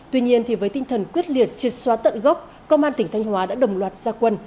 tuy nhiên với tinh thần quyết liệt triệt xóa tận gốc công an tỉnh thanh hóa đã đồng loạt gia quân